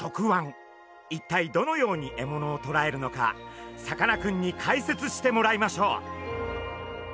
一体どのように獲物をとらえるのかサカナくんに解説してもらいましょう！